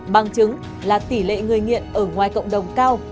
bằng chứng là tỷ lệ người nghiện ở ngoài cộng đồng cao